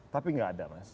tapi nggak ada mas